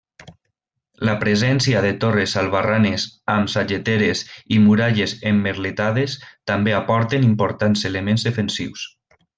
La presència de torres albarranes amb sageteres i muralles emmerletades també aporten importants elements defensius.